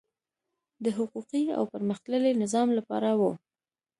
د حقوقي او پرمختللي نظام لپاره وو.